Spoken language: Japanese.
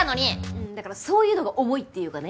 うんだからそういうのが重いっていうかね。